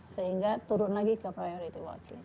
sehingga turun lagi ke priority watch list